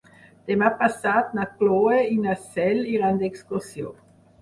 Demà passat na Cloè i na Cel iran d'excursió.